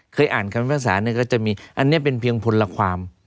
เคยอ่านคำภาษาก็จะมีอันนี้เป็นเพียงพลละความ